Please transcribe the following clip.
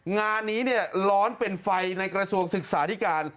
งานนี้เนี่ยร้อนเป็นไฟในกระทรวงศึกษาธิการ